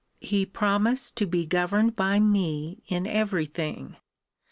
He promised to be governed by me in every thing.